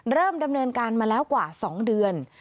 เริ่มดำเนินการมาแล้วกว่า๒เดือน